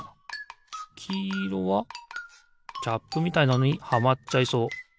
きいろはキャップみたいなのにはまっちゃいそう。